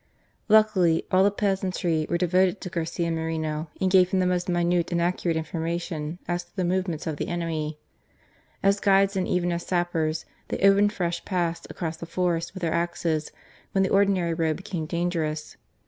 Luckily all the peasantry were devoted to Garcia Moreno, and gave him the most minute and accu rate information as to the movements of the enemy. As guides, and even as sappers, they opened fresh paths across the forest with their axes, when the ordinary road became dangerous.